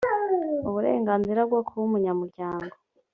uburenganzira bwo kuba umunyamuryango